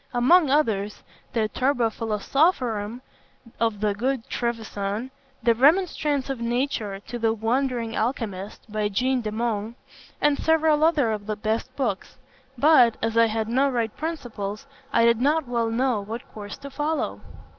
Among others, the Turba Philosophorum of the Good Trevisan, the Remonstrance of Nature to the Wandering Alchymist, by Jean de Meung, and several others of the best books; but, as I had no right principles, I did not well know what course to follow.